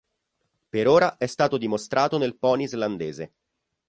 Per ora è stato dimostrato nel pony islandese.